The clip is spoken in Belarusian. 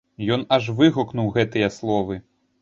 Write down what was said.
Ён аж выгукнуў гэтыя словы.